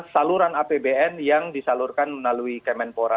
saluran apbn yang disalurkan melalui kemenpora